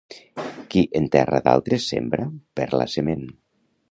Qui en terra d'altres sembra, perd la sement.